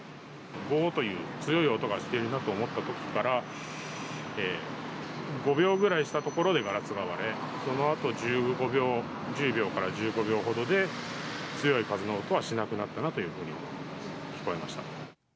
ごーという強い音がしているなと思ったときから、５秒ぐらいしたところでガラスが割れ、そのあと１５秒、１０秒から１５秒ほどで、強い風の音はしなくなったなというふうに聞こえました。